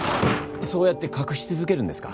そうやって隠し続けるんですか？